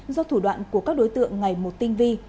do thủ đoạn của các đối tượng ngày một tinh vi